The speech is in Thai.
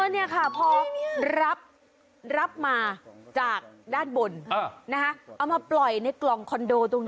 นี่ค่ะพอรับมาจากด้านบนเอามาปล่อยในกล่องคอนโดตรงนั้น